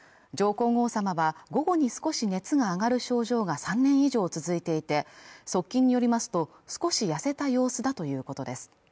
皇后さまは午後に少し熱が上がる症状が３年以上続いていて側近によりますと少し痩せた様子だということです